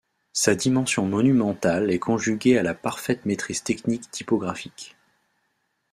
Sa dimension monumentale est conjuguée à la parfaite maîtrise technique typographique.